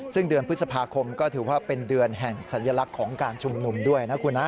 ซึ่งเดือนพฤษภาคมก็ถือว่าเป็นเดือนแห่งสัญลักษณ์ของการชุมนุมด้วยนะคุณนะ